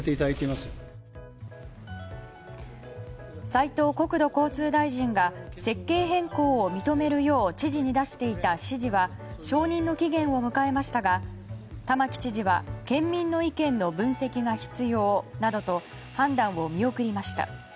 斉藤国土交通大臣が設計変更を認めるよう知事に出していた指示は承認の期限を迎えましたが玉城知事は県民の意見の分析が必要などと判断を見送りました。